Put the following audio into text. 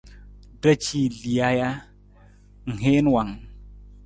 Ra ci lija ja, ng heen wang?